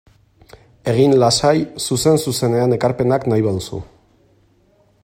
Egin lasai zuzen-zuzenean ekarpenak nahi baduzu.